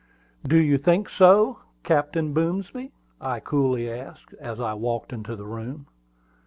"Do you think so, Captain Boomsby?" I coolly asked, as I walked into the room.